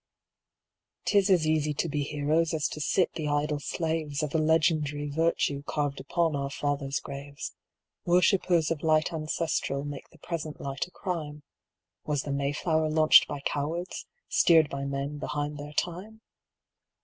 'Tis as easy to be heroes as to sit the idle slaves Of a legendary virtue carved upon our father's graves, Worshippers of light ancestral make the present light a crime;— Was the Mayflower launched by cowards, steered by men behind their time?